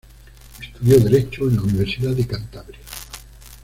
Estudió Derecho en la Universidad de Cantabria.